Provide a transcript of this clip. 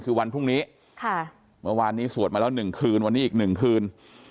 คือวันพรุ่งนี้ค่ะเมื่อวานนี้สวดมาแล้ว๑คืนวันนี้อีกหนึ่งคืน